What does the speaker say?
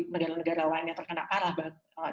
negara negara lain yang terkena parah